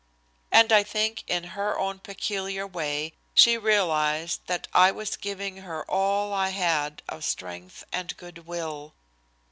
And I think in her own peculiar way she realized that I was giving her all I had of strength and good will.